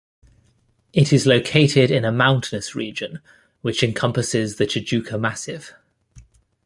It is located in a mountainous region, which encompasses the Tijuca Massif.